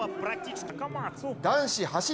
男子走り